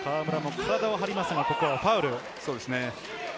河村も体を張りますが、ここはファウル。